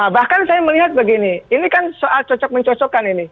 bahkan saya melihat begini ini kan soal cocok mencocokkan ini